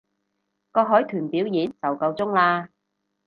個海豚表演就夠鐘喇